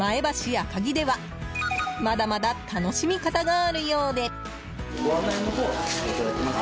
赤城ではまだまだ楽しみ方があるようで。